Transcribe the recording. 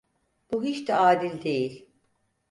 Bu hiç de adil değil!